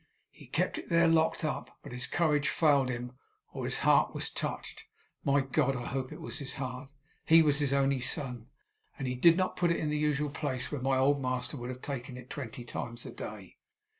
He kept it there locked up. But his courage failed him or his heart was touched my God! I hope it was his heart! He was his only son! and he did not put it in the usual place, where my old master would have taken it twenty times a day.